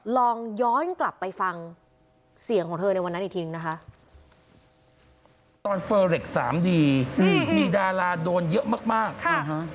ลองย้อนกลับไปฟังเสียงของเธอในวันนั้นอีกทีหนึ่งนะคะ